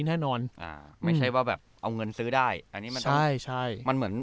แน่นอนอ่าไม่ใช่ว่าแบบเอาเงินซื้อได้อันนี้มันใช่ใช่มันเหมือน